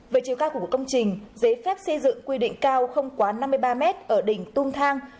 về chiều cao của một công trình giấy phép xây dựng quy định cao không quá năm mươi ba mét ở đỉnh tung thang